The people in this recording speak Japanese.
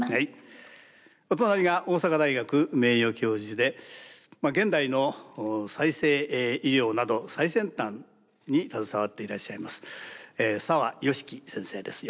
お隣が大阪大学名誉教授で現代の再生医療など最先端に携わっていらっしゃいます澤芳樹先生です。